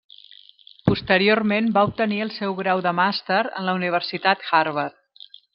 Posteriorment va obtenir el seu grau de màster en la Universitat Harvard.